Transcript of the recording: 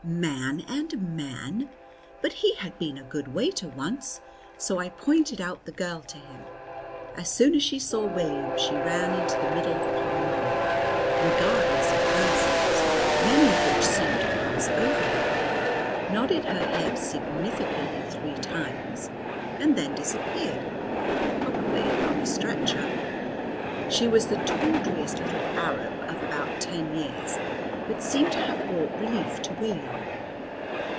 Man and man! But he had been a good waiter once, so I pointed out the girl to him. As soon as she saw William she ran into the middle of Pall Mall, regardless of hansoms (many of which seemed to pass over her), nodded her head significantly three times and then disappeared (probably on a stretcher). She was the tawdriest little Arab of about ten years, but seemed to have brought relief to William.